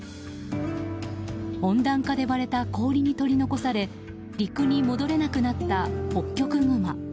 温暖化で割れた氷に取り残され陸に戻れなくなったホッキョクグマ。